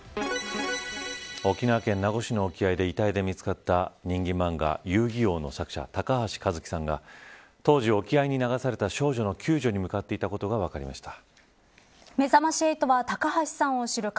沖縄県名護市の沖合で遺体で見つかった人気漫画遊☆戯☆王の作者高橋和希さんが当時沖合に流された少女の救助に向かっていることが分かりました。